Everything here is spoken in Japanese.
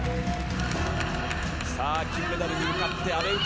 金メダルに向かって阿部詩。